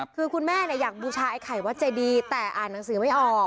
คือคุณแม่อยากบูชาไอ้ไข่วัดเจดีแต่อ่านหนังสือไม่ออก